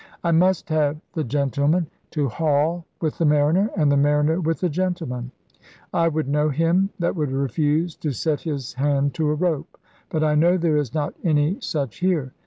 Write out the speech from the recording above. I must have the gentleman to haul with the mariner and the mariner with the gentleman. I would know him that would refuse to set his hand to a rope! But I know there is not any such here.'